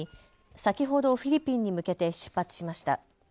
先ほどフィリピンに向けて出発しました。